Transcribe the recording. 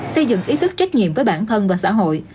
xây dựng ý thức trách nhiệm với bản thân và xã hội